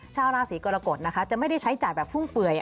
ชาวราศีกรกฎนะคะจะไม่ได้ใช้จ่ายแบบฟุ่มเฟื่อย